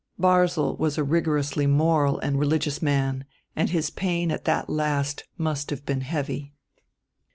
Barzil was a rigorously moral and religious man and his pain at that last must have been heavy.